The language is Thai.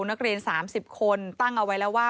นักเรียน๓๐คนตั้งเอาไว้แล้วว่า